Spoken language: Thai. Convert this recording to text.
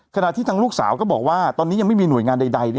ขณะที่ทางลูกสาวก็บอกว่าตอนนี้ยังไม่มีหน่วยงานใด